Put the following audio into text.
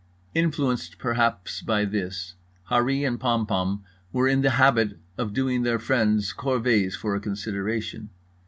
Influenced perhaps by this, Harree and Pompom were in the habit of doing their friends' corvées for a consideration.